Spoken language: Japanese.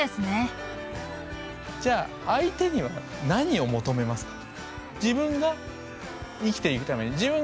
じゃあ相手には何を求めますか？